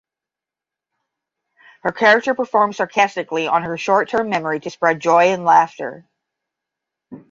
Her character performs sarcastically on her short term memory to spread joy and laughter.